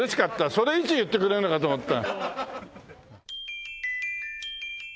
それいつ言ってくれるのかと思った。